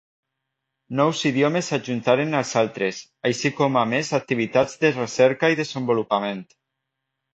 Nous idiomes ajuntaren als altres, així com a més activitats de recerca i desenvolupament.